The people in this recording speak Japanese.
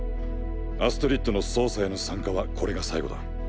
アストリッドの捜査への参加はこれが最後だ。